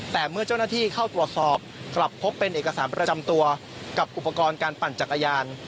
แต่เมื่อเจ้าหน้าที่เข้าตรวจสอบกลับพบเป็นเอกสารประจำตัวกับอุปกรณ์การปั่นจักรยาน